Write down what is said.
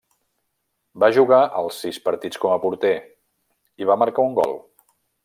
Va jugar els sis partits com a porter, i va marcar un gol.